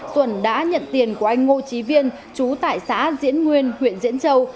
duẩn đã nhận tiền của anh ngô trí viên chú tại xã diễn nguyên huyện diễn châu